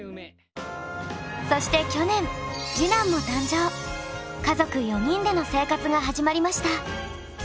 そして去年家族４人での生活が始まりました。